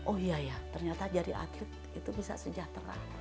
oh iya ya ternyata jadi atlet itu bisa sejahtera